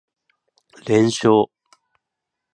連勝